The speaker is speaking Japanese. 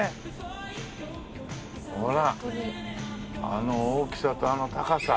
あの大きさとあの高さ。